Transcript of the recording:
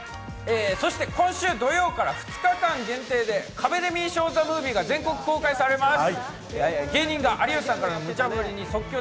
そして今週土曜から２日間限定で『カベデミー賞ＴＨＥＭＯＶＩＥ』が全国公開されます。